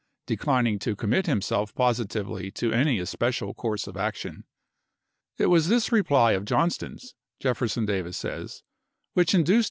declining to commit himself positively to federate any especial course of action. It was this reply of ^Jnt"" Johnston's, Jefferson Davis says, which induced p° '557."